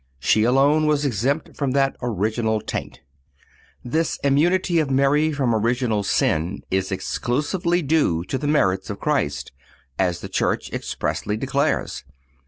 She alone was exempt from the original taint. This immunity of Mary from original sin is exclusively due to the merits of Christ, as the Church expressly declares.